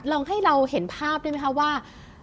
เราให้เราเห็นภาพได้ไหมคะว่า